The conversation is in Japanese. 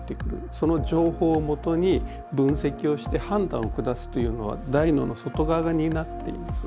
その情報をもとに分析をして判断を下すというのは大脳の外側が担っています。